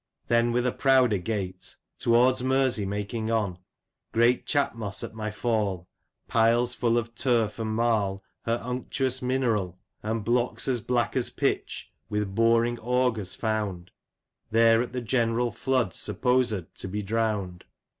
Then with a prouder gait " Towards Mersey making on, Great Chatmosse at my fall, *' Piles full of turf, and marie, her unctuous mineral, '* And blocks as black as pitch (with boring augers found), " There at the general flood supposed to be drown*d.